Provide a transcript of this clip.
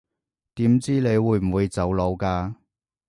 點知你會唔會走佬㗎